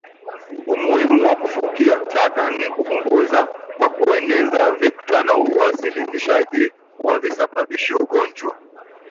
Umuhimu wa kufukia taka ni kupunguza wa kueneza vekta na uwasilinishaji wa visababishi ugonjwa